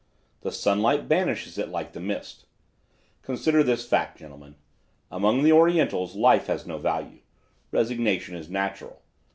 The sunlight banishes it like the mist. Consider this fact, gentlemen. Among the Orientals life has no value; resignation is natural.